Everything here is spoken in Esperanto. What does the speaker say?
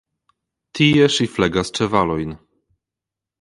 Tie ŝi flegas ĉevalojn.